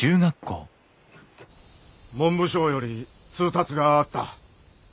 文部省より通達があった。